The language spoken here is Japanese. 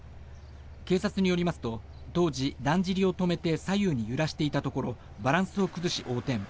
警察によりますと当時、だんじりを止めて左右に揺らしていたところバランスを崩し、横転。